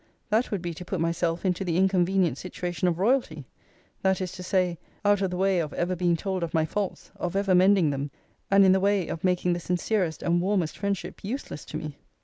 That would be to put myself into the inconvenient situation of royalty: that is to say, out of the way of ever being told of my faults; of ever mending them: and in the way of making the sincerest and warmest friendship useless to me.